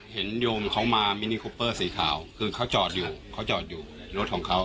เห็นโยมเขามามินิคุปเปอร์สีขาวคือเขาจอดอยู่รถของเขา